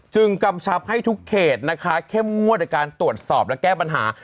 กำชับให้ทุกเขตนะคะเข้มงวดในการตรวจสอบและแก้ปัญหา